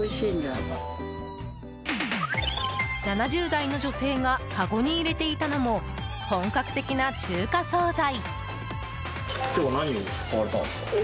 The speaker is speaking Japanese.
７０代の女性がかごに入れていたのも本格的な中華総菜。